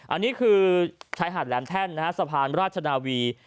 อันนี้คือชายหาดแหลมแท่นนะฮะสะพานราชนาวี